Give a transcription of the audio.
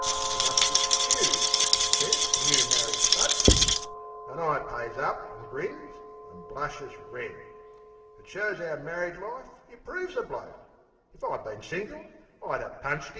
"We must ixcuse," 'e sez, "new married folk." An' I pays up, an' grins, an' blushes red.... It shows 'ow married life improves a bloke: If I'd bin single I'd 'a' punched 'is head!